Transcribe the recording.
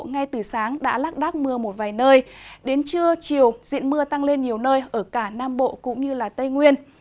ngay từ sáng đã lác đác mưa một vài nơi đến trưa chiều diện mưa tăng lên nhiều nơi ở cả nam bộ cũng như tây nguyên